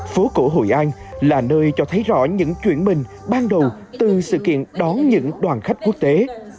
phố cổ hội an là nơi cho thấy rõ những chuyển mình ban đầu từ sự kiện đón những đoàn khách quốc tế